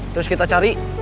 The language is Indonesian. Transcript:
terus kita cari